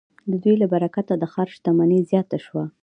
د دوی له برکته د ښار شتمني زیاته شوې.